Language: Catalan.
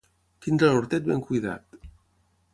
Tenir l'hortet ben cuidat.